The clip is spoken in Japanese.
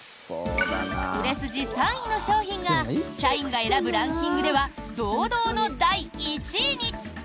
売れ筋３位の商品が社員が選ぶランキングでは堂々の第１位に。